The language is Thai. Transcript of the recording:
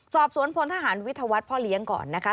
สอบสวนพลทหารวิทยาวัฒน์พ่อเลี้ยงก่อนนะคะ